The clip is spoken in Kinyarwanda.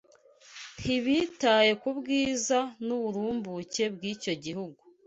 ntibitaye ku bwiza n’uburumbuke bw’icyo gihugu